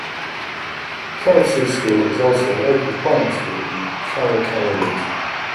Karetu School is also a local primary school in the Kawakawa region.